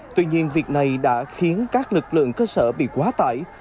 tuy nhiên việc này đã khiến các lực lượng cơ sở bị quá tải